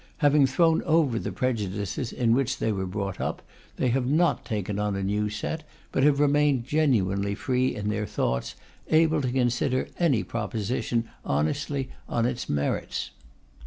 Having thrown over the prejudices in which they were brought up, they have not taken on a new set, but have remained genuinely free in their thoughts, able to consider any proposition honestly on its merits.